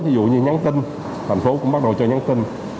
ví dụ như nhắn tin thành phố cũng bắt đầu chơi nhắn tin